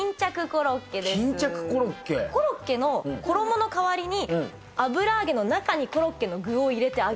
コロッケの衣の代わりに油揚げの中にコロッケの具を入れて揚げてるらしいです。